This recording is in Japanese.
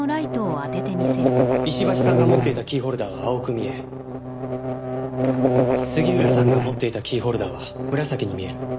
石橋さんが持っていたキーホルダーは青く見え杉浦さんが持っていたキーホルダーは紫に見える。